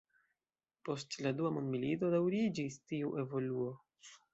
Post la Dua Mondmilito daŭriĝis tiu evoluo.